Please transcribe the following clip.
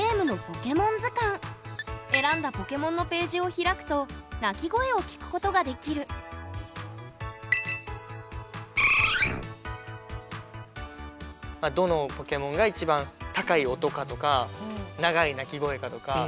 選んだポケモンのページを開くとどのポケモンが一番高い音かとか長い鳴き声かとか